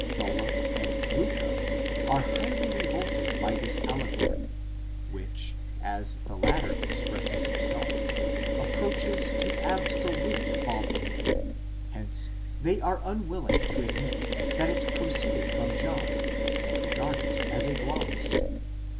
Tholuck and Liicke are highly revolted by this allegory, which, as the latter expresses himself, approaches to absolute folly, hence they are unwilling to admit that it proceeded from John, and regard it as a gloss.